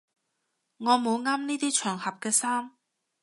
我冇啱呢啲場合嘅衫